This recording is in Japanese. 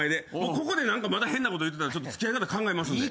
ここでまた変なこと言ってたら付き合い方考えますんで。